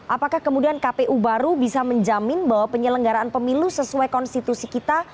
apakah kemudian kpu baru bisa menjamin bahwa penyelenggaraan pemilu sesuai konstitusi kita